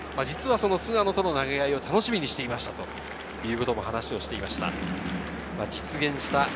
実は菅野との投げ合いを楽しみにしていましたということも話しをしていました。